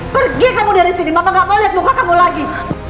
pergi kamu dari sini mama gak mau lihat muka kamu lagi